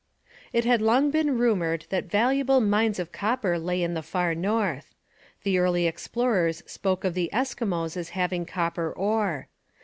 It had long been rumoured that valuable mines of copper lay in the Far North. The early explorers spoke of the Eskimos as having copper ore.